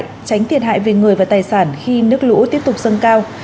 tránh thiệt hại về người và tài sản khi nước lũ tiếp tục dâng cao